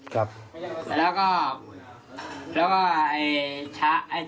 เขาก็ขอจาน๗๐ใตล์